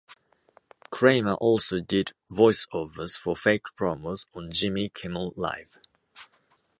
Cramer also did voiceovers for fake promos on Jimmy Kimmel Live!